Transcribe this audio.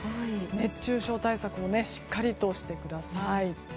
熱中症対策しっかりとしてください。